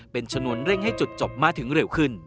เป็นชนวนเร่งให้จุดจบมาถึงเร็วขึ้น